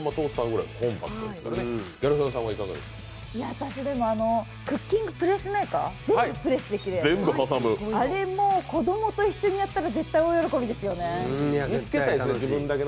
私、クッキングプレスメーカーあれ、もう子供と一緒にやったら絶対大喜びですよね。